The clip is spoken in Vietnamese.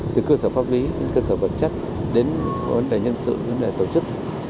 từ cơ sở pháp lý đến cơ sở vật chất đến vấn đề nhân sự vấn đề tổ chức